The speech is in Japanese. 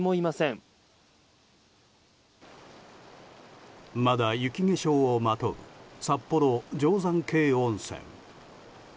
まだ雪化粧をまとう札幌、定山渓温泉。